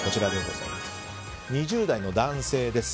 ２０代の男性です。